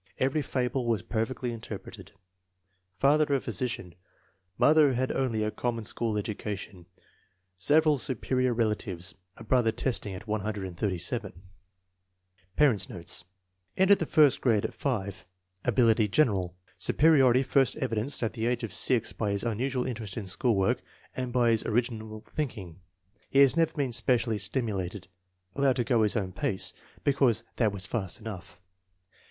Every fable was perfectly interpreted. Father a physician. Mother had only a common school education. Several superior relatives, a brother testing at 137. m* INTELLIGENCE OP SCHOOL CHDLDBEN Parents 9 notes. Entered the first grade at 5. Abil ity general. Superiority first evidenced at the age of 6 by his unusual interest in school work and by his orig inal thinking. Has never been specially stimulated. Allowed to go his own pace "because that was fast enough."